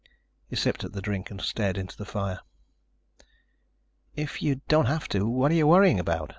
He sipped at the drink and stared into the fire. "If you don't have to, what are you worrying about?"